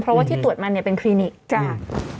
เพราะว่าที่ตรวจมันเนี่ยเป็นคลินิกจาก